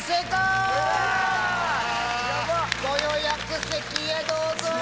ご予約席へどうぞ。